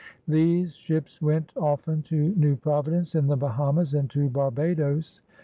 These ships went often to New Providence in the Bahamas and to Barbados.